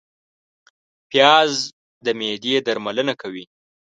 پیاز د معدې درملنه کوي